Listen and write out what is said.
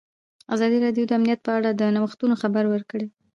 ازادي راډیو د امنیت په اړه د نوښتونو خبر ورکړی.